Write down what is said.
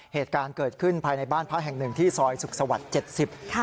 เหตุการณ์เกิดขึ้นภายในบ้านพักแห่งหนึ่งที่ซอยสุขสวรรค์๗๐ค่ะ